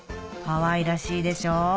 かわいらしいでしょ